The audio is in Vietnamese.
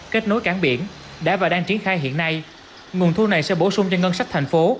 kết nối cảng biển đã và đang triển khai hiện nay nguồn thu này sẽ bổ sung cho ngân sách thành phố